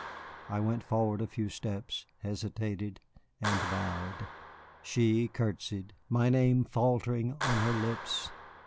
I went forward a few steps, hesitated, and bowed. She courtesied, my name faltering on her lips.